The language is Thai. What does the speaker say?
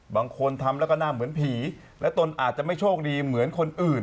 บางคนทำแล้วก็หน้าเหมือนผีและตนอาจจะไม่โชคดีเหมือนคนอื่น